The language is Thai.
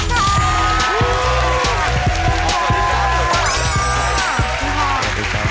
สวัสดีครับสวัสดีครับ